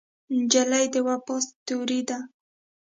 نجلۍ د وفا ستورې ده.